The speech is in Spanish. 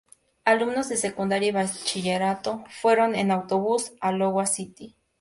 Alumnos de secundaria y bachillerato fueron en autobús a "Iowa City".